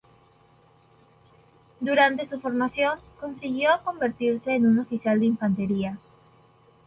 Durante su formación consiguió convertirse en un oficial de infantería.